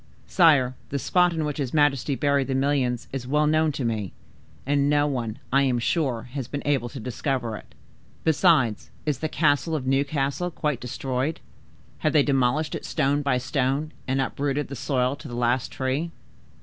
"Sire, the spot in which his majesty buried the million is well known to me, and no one, I am sure, has been able to discover it. Besides, is the castle of Newcastle quite destroyed? Have they demolished it stone by stone, and uprooted the soil to the last tree?"